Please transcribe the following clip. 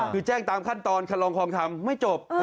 คือแจ้งตามขั้นตอนคันลองคลองธรรมไม่จบ